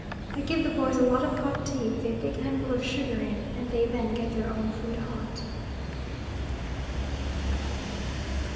I give the boys a lot of hot tea with a big handful of sugar in, and they then get their own food hot.